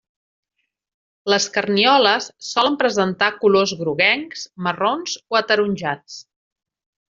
Les carnioles solen presentar colors groguencs, marrons o ataronjats.